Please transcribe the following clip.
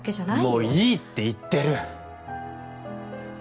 もういいって言ってる！